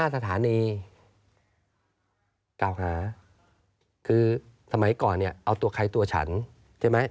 สถานีกล่าวหาคือสมัยก่อนเนี่ยเอาตัวใครตัวฉันใช่ไหม